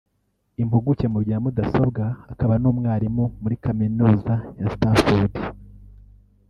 Impuguke mu bya mudasobwa akaba n’umwarimu muri Kaminuza ya Stanford